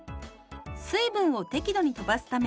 水分を適度にとばすため